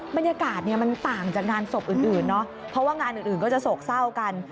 บรรยากาศเนี่ยมันต่างจากงานศพอื่นเนอะเพราะว่างานอื่นก็จะโศกเศร้ากัน